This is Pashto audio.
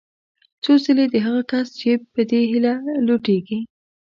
څو ځله د هغه کس جېب په دې هیله لوټېږي.